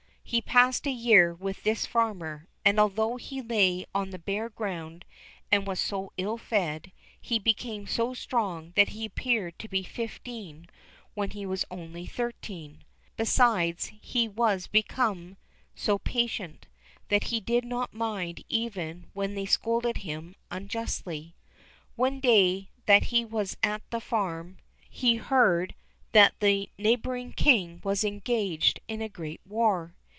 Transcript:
He passed a year with this farmer, and although he lay on the bare ground and was so ill fed, he became so strong that he appeared to be fifteen when he was only thirteen; besides, he was become so patient, that he did not mind even when they scolded him unjustly. One day that he was at the farm, he heard say that a neighbouring King was engaged in a great war.